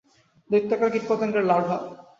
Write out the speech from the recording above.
দৈত্যাকার কীটপতঙ্গের লার্ভা।